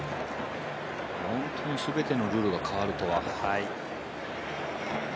本当に全てのルールが変わるとは。